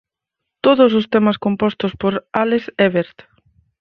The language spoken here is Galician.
Todos os temas compostos por Alex Ebert.